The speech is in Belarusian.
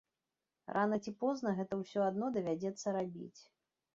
Рана ці позна гэта ўсё адно давядзецца рабіць.